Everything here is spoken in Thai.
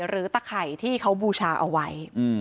ตะไข่ที่เขาบูชาเอาไว้